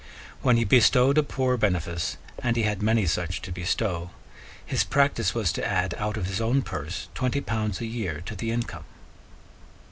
When he bestowed a poor benefice, and he had many such to bestow, his practice was to add out of his own purse twenty pounds a year to the income.